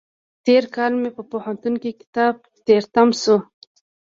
تېر کال مې په پوهنتون کې کتاب تری تم شو.